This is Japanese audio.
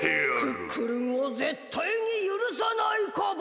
クックルンをぜったいにゆるさないカボ！